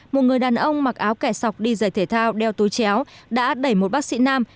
một người đàn ông mặc áo kẻ sọc đi dày thể thao đeo túi chéo đã đẩy một bác sĩ nam